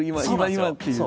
今！っていう。